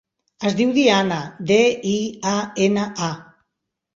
Es diu Diana: de, i, a, ena, a.